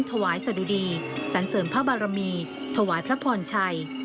ถวายสะดุดีสันเสริมพระบารมีถวายพระพรชัย